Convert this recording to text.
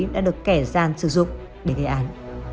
đã được kẻ gian sử dụng để gây án